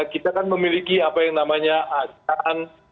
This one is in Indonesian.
kita kan memiliki apa yang namanya azan